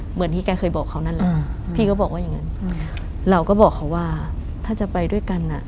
เหมือนที่แกเคยบอกเขานั่นแหละพี่ก็บอกว่าอย่างนั้นเราก็บอกเขาว่าถ้าจะไปด้วยกันอ่ะ